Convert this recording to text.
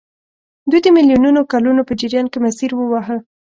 دوی د میلیونونو کلونو په جریان کې مسیر وواهه.